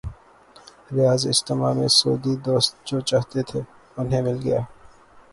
ریاض اجتماع میں سعودی دوست جو چاہتے تھے، انہیں مل گیا۔